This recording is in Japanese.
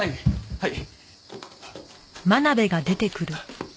はい。